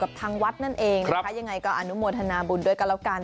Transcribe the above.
ของทางวัดนั้นเองยังไงก็อนุโมทนาบุญไว้ด้วยกันแล้วกัน